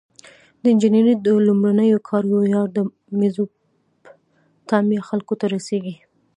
د انجنیری د لومړنیو کارونو ویاړ د میزوپتامیا خلکو ته رسیږي.